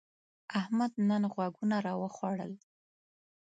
احمد نن غوږونه راوخوړل.